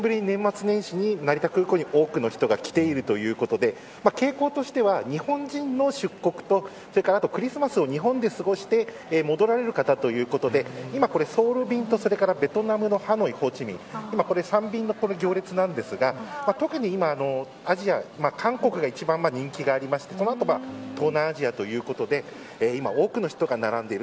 ３年ぶり年末年始に成田空港に多くの人が来ているということで傾向としては、日本人の出国とそれからクリスマスを日本で過ごして戻られる方ということで今これ、ソウル便とベトナムのハノイ、ホーチミン３便の行列なんですが特に今アジア韓国が一番人気がありましてその後東南アジアということで今多くの人が並んでいる。